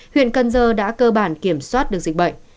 huyện cần giờ đã cơ bản kiểm soát được dịch bệnh